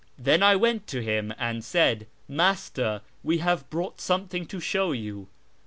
Then I went to him and said, ' Master, we have brought something to show you.'